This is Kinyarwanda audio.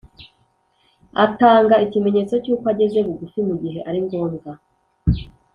agatanga ikimenyetso cyuko ageze bugufi mugihe aringombwa